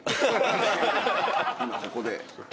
今ここで。